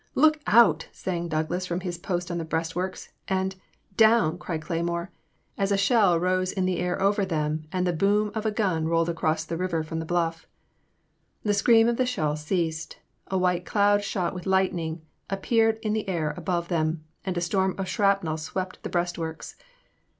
Look out !" sang out Douglas from his post on the breastworks, and Down!" cried Cley more, as a shell rose in the air over them and the boom of a gun rolled across the river from the bluff. The scream of the shell ceased ; a white cloud shot with lightning appeared in the air above them, and a storm of shrapnel swept the breast works.